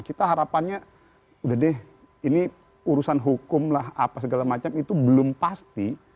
kita harapannya udah deh ini urusan hukum lah apa segala macam itu belum pasti